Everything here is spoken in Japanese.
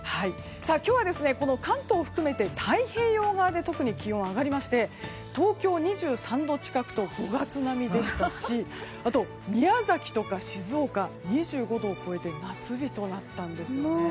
今日は、関東を含めて太平洋側で特に気温が上がりまして東京２３度近くと５月並みでしたし宮崎とか静岡２５度を超えて夏日となったんですよね。